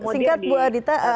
singkat bu adita